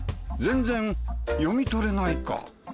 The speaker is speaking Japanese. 全然読み取れないか。